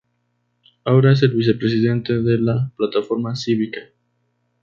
Ahora es el vicepresidente de la Plataforma Cívica.